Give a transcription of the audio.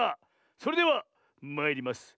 それではまいります。